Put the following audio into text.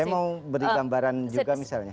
saya mau beri gambaran juga misalnya